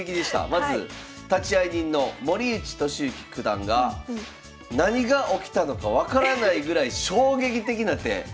まず立会人の森内俊之九段が「何が起きたのか分からないぐらい衝撃的な手。